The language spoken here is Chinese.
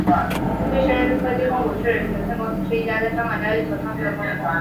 瑞声科技控股有限公司是一家在香港交易所上市的工业公司。